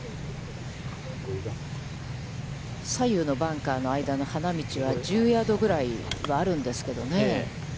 左右のバンカーの間の花道は、１０ヤードぐらいはあるんですけどね。